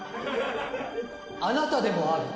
あなたでもある。